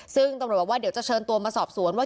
ซึ่งตำรวจบอกว่าเดี๋ยวจะเชิญตัวมาสอบสวนว่า